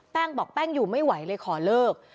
บอกแป้งอยู่ไม่ไหวเลยขอเลิก